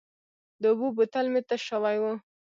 د اوبو بوتل مې تش شوی و.